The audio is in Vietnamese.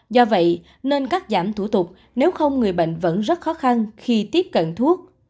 do vậy nên cắt giảm thủ tục nếu không người bệnh vẫn rất khó khăn khi tiếp cận thuốc